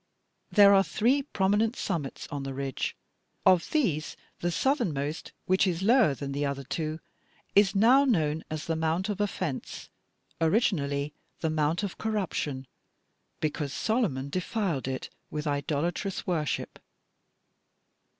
There are three prominent summits on the ridge; of these, the southernmost, which is lower than the other two, is now known as 'the Mount of Offence,' originally 'the Mount of Corruption,' because Solomon defiled it with idolatrous worship.